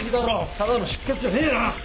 ただの出血じゃねえな！